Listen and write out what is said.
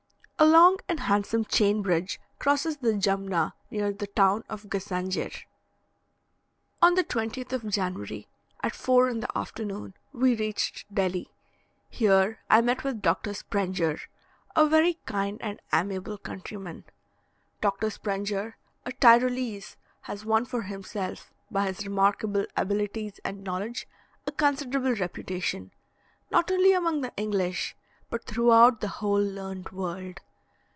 A long and handsome chain bridge crosses the Jumna near the town of Gassanger. On the 20th of January, at 4 in the afternoon, we reached Delhi. Here I met with Dr. Sprenger, a very kind and amiable countryman. Dr. Sprenger, a Tyrolese, has won for himself, by his remarkable abilities and knowledge, a considerable reputation, not only among the English, but throughout the whole learned world.